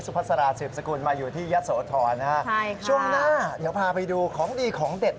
ช่วงหน้าเดี๋ยวกลับที่ถ่ายไปดูของดีของเด็ด